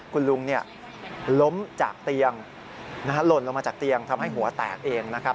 คุณลุงล้มจากเตียงหล่นลงมาจากเตียงทำให้หัวแตกเองนะครับ